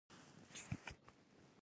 په دې شیانو کې سیستم او پالیسي شامل دي.